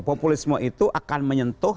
populisme itu akan menyentuh